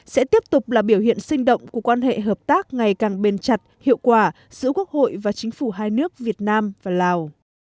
sẽ tiếp tục là biểu hiện sinh động của quan hệ hợp tác ngày càng bền chặt hiệu quả giữa quốc hội và chính phủ hai nước việt nam và lào